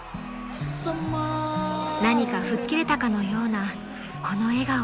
［何か吹っ切れたかのようなこの笑顔］